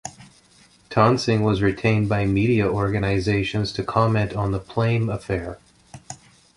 Toensing was retained by media organizations to comment on the Plame Affair.